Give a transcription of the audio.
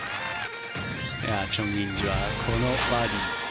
チョン・インジはこのバーディー。